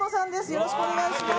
よろしくお願いします